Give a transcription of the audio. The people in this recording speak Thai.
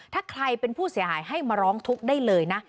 ถ้าใครเป็นผู้เสียหายให้มาร้องทุกข์ได้เลยนะ